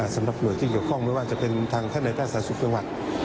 สำหรับหน่วยที่เกี่ยวข้องไม่ว่าจะเป็นทางท่านในแพทย์สาธารณสุขจังหวัด